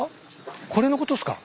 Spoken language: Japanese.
これのことっすか？